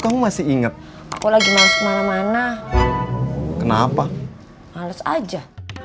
kamu masih ingat aku lagi males kemana mana kenapa halus aja